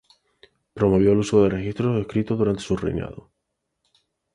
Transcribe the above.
Promovió el uso de registros escritos durante su reinado.